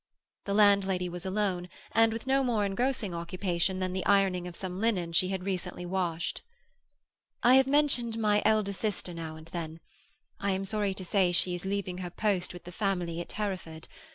The landlady was alone, and with no more engrossing occupation than the ironing of some linen she had recently washed. "I have mentioned my elder sister now and then. I am sorry to say she is leaving her post with the family at Hereford.